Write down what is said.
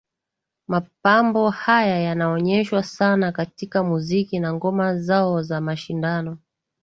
Mapambo haya yanaonyeshwa sana katika muziki na ngoma zao za mashindano